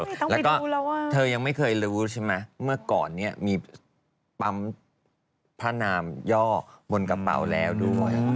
ต้องไปดูแล้วอ่ะอเรนนี่แล้วก็เธอยังไม่เคยรู้ใช่ไหมเมื่อก่อนเนี่ยมีปั๊มพระนามย่อบนกระเป๋าแล้วดู